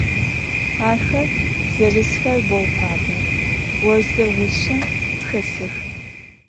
Axer zerısxer bou fabe, vorze ğuşsem xesıx.